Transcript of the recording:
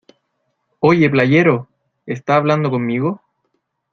¡ Oye, playero! ¿ esta hablando conmigo?